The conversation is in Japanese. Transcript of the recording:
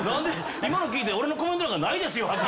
今の聞いて俺のコメントなんかないですよ！